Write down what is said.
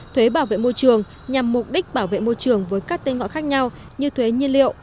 thuế bảo vệ môi trường nhằm mục đích bảo vệ môi trường với các tên gọi khác nhau như thuế nhiên liệu